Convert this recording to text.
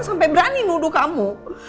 sampai berani nuduh kamu